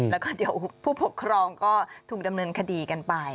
แล้วก็เดี๋ยวผู้ปกครองก็ถูกดำเนินคดีกันไป